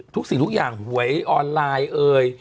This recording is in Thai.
ทุกสิทุกอย่างไว้ออนไลน์